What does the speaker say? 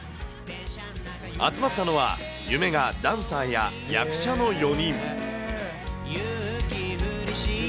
集まったのは、夢がダンサーや役者の４人。